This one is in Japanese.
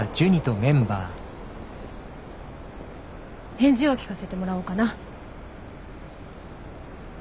返事を聞かせてもらおうかな。